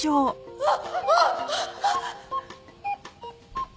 あっ！